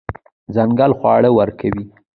ځنګل خواړه ورکوي.